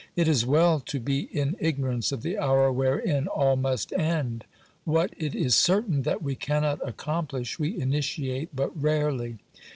It is well to be in ignorance of the hour wherein all must end. What it is certain that we cannot accomplish we initiate but rarely.